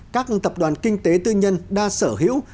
các tập đoàn kinh tế tư nhân đang sở hữu